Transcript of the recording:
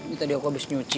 ini tadi aku abis nyuci